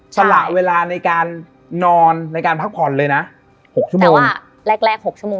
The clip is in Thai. สละเวลาในการนอนในการพักผ่อนเลยนะหกชั่วโมงแรกแรก๖ชั่วโมง